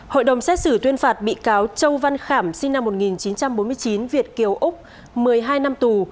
hội đồng xét xử tuyên phạt bị cáo châu văn khảm sinh năm một nghìn chín trăm bốn mươi chín việt kiều úc một mươi hai năm tù